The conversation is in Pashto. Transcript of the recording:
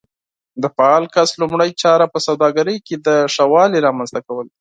د فعال کس لومړۍ چاره په سوداګرۍ کې د ښه والي رامنځته کول وي.